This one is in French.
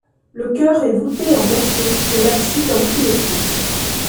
Le chœur est voûté en berceau et l'abside en cul-de-four.